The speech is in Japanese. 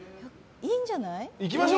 いいんじゃない？